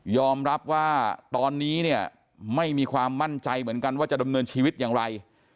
ว่าตอนนี้เนี่ยไม่มีความมั่นใจเหมือนกันว่าจะดำเนินชีวิตอย่างไร